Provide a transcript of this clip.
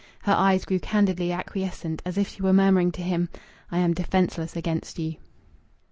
Her eyes grew candidly acquiescent, as if she were murmuring to him, "I am defenceless against you."